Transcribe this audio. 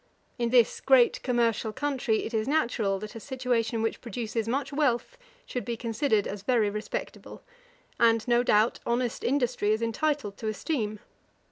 In this great commercial country it is natural that a situation which produces much wealth should be considered as very respectable; and, no doubt, honest industry is entitled to esteem.